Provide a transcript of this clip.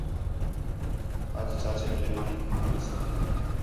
اَڄ چاچے پلے مانی کھاݨ ویساں